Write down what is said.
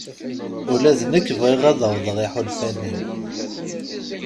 Ula d nekk bɣiɣ ad awḍeɣ iḥulfan-iw.